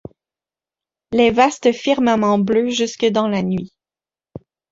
Les vastes firmaments bleus jusque dans la nuit